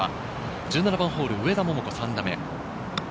１７番ホール、上田桃子、３打目。